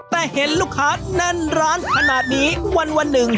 แต่เห็นลูกค้าแน่นร้านขนาดนี้วันหนึ่ง